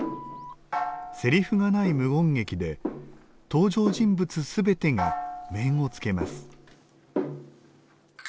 せりふがない無言劇で登場人物すべてが面をつけます。